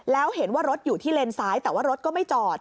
แล้วเห็นว่ารถอยู่ที่เลนซ้ายแต่ว่ารถก็ไม่จอด